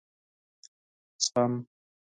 زغم ....